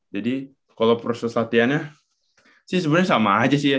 jadi kalau proses latihannya sih sebenarnya sama aja sih ya